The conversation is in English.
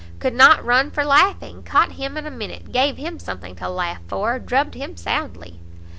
"Could not run for laughing; caught him in a minute; gave him something to laugh for; drubbed him soundly."